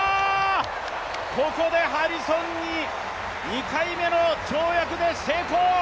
ここでハリソン、２回目の跳躍で成功。